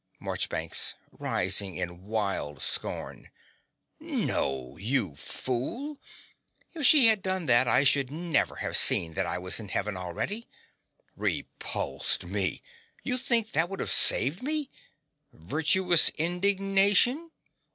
MARCHBANKS (rising in wild scorn). No, you fool: if she had done that I should never have seen that I was in Heaven already. Repulsed me! You think that would have saved me virtuous indignation!